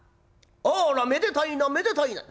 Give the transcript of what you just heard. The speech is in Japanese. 『あらめでたいなめでたいな』」。